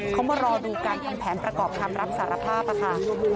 เขามารอดูการทำแผนประกอบคำรับสารภาพค่ะ